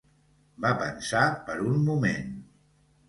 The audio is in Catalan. Va pensar per un moment.